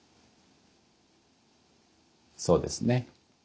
そうですね。